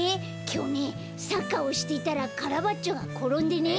きょうねサッカーをしていたらカラバッチョがころんでね。